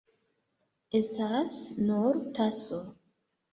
Estas nur taso.